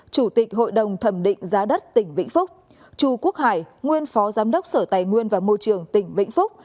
chủ tịch hội đồng thẩm định giá đất tỉnh vĩnh phúc chù quốc hải nguyên phó giám đốc sở tài nguyên và môi trường tỉnh vĩnh phúc